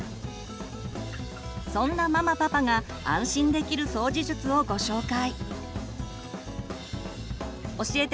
そんなママパパが安心できる掃除術をご紹介。